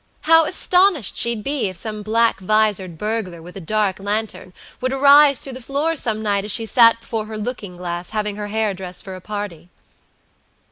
How astonished she'd be if some black visored burglar, with a dark lantern, were to rise through the floor some night as she sat before her looking glass, having her hair dressed for a party!"